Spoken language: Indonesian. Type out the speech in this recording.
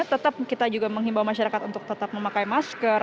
tetap kita juga menghimbau masyarakat untuk tetap memakai masker